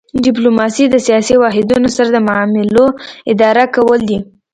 ډیپلوماسي د سیاسي واحدونو سره د معاملو اداره کول دي